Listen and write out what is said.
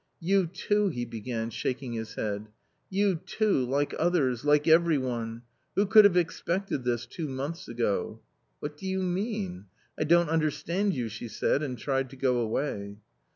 " You too," he began, shaking his head, " you too, like others, like every one !.... Who could have expected this, two months ago ?" "What do you mean? I don't understand you," she said, and tried to go away.